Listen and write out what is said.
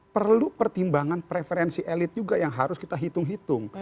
perlu pertimbangan preferensi elit juga yang harus kita hitung hitung